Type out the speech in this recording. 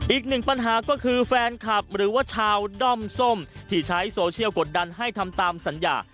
อีก๑ปัญหาคือแฟนคลับชาวด่อมส้มที่ใช้โซเชียลกดดันให้ทำตามสัญญา